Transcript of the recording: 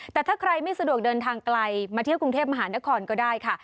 แต่ถ้าใครไม่สะดวกเดินทางไกลมาเที่ยวกรุงเทพมหานครก็ได้ค่ะ